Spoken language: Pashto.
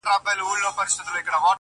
دا د مرګي له چېغو ډکه شپېلۍ-